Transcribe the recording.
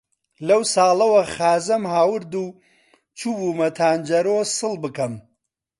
لەو ساڵەوە خازەم هاورد و چووبوومە تانجەرۆ سڵ بکەم،